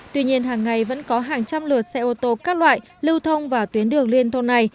tuy nhiên hàng ngày vẫn có hàng trăm lượt xe ô tô các loại lưu thông vào tuyến đường liên thôn này